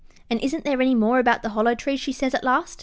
"And isn't there any more about the Hollow Tree?" she says at last.